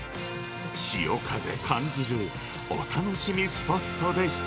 潮風感じるお楽しみスポットでした。